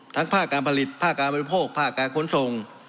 ภาคการผลิตภาคการบริโภคภาคการขนส่ง